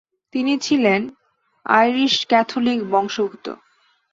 তিনি ছিলেন আইরিশ-ক্যাথোলিক বংশোদ্ভূত।